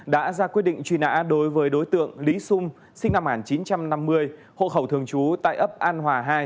đã ra quyết định truy nã đối với đối tượng lý sung sinh năm một nghìn chín trăm năm mươi hộ khẩu thường trú tại ấp an hòa hai